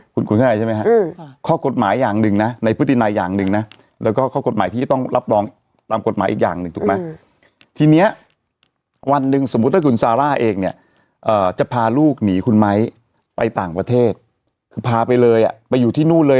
คุณคุณเข้าใจใช่ไหมฮะข้อกฎหมายอย่างหนึ่งนะในพฤตินายอย่างหนึ่งนะแล้วก็ข้อกฎหมายที่จะต้องรับรองตามกฎหมายอีกอย่างหนึ่งถูกไหมทีเนี้ยวันหนึ่งสมมุติถ้าคุณซาร่าเองเนี่ยจะพาลูกหนีคุณไม้ไปต่างประเทศคือพาไปเลยอ่ะไปอยู่ที่นู่นเลย